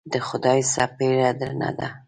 د خدای څپېړه درنه ده.